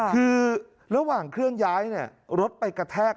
คือระหว่างเคลื่อนย้ายรถไปกระแทก